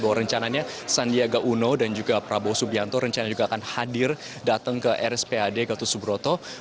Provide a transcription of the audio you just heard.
bahwa rencananya sandiaga uno dan juga prabowo subianto rencana juga akan hadir datang ke rspad gatot subroto